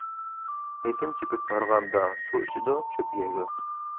ئېتىم چېپىپ ھارغاندا، سۇ ئىچىدۇ، چۆپ يەيدۇ.